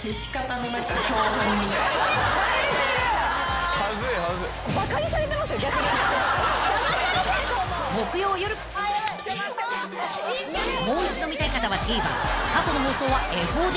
［もう一度見たい方はＴＶｅｒ過去の放送はＦＯＤで］